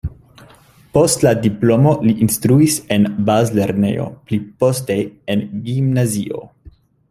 Post la diplomo li instruis en bazlernejo, pli poste en gimnazio.